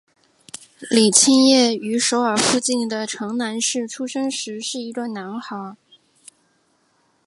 李庆烨于首尔附近的城南市出生时是一个男孩。